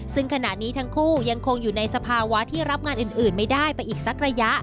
ซึ่งขณะนี้ทั้งคู่ยังคงอยู่ในสภาวะที่รับงานอื่นไม่ได้ไปอีกสักระยะ